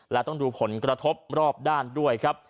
และต้องดูผลกระทบรอบด้านด้วยครับ